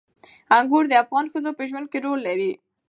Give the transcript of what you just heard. انګور د افغان ښځو په ژوند کې رول لري.